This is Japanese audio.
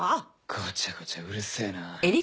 ごちゃごちゃうるせぇな。